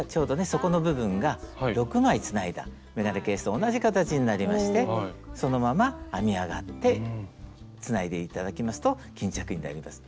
底の部分が６枚つないだ眼鏡ケースと同じ形になりましてそのまま編み上がってつないで頂きますと巾着になります。